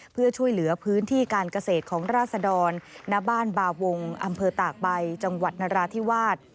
เพื่อช่วยเหลือพื้นที่การเกษตรของราศดรณบ้านบาวงอำเภอตากใบจังหวัดนราธิวาส